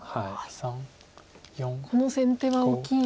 この先手は大きい。